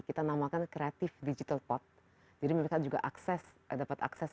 kita namakan kreatif digital part jadi mereka juga akses dapat akses